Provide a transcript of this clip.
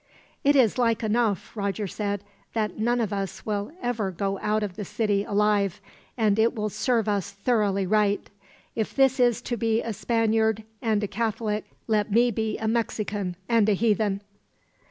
"It is like enough," Roger said, "that none of us will ever go out of the city alive; and it will serve us thoroughly right. If this is to be a Spaniard and a Catholic, let me be a Mexican and a heathen."